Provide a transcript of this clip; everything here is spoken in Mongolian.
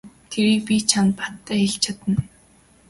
Тэрийг би чамд баттай хэлж чадна.